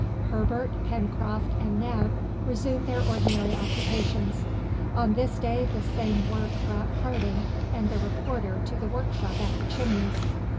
Herbert, Pencroft, and Neb resumed their ordinary occupations. On this day the same work brought Harding and the reporter to the workshop at the Chimneys.